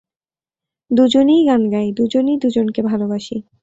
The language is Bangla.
দুজনই গান গাই, দুজনই দুজনকে ভালোবাসি।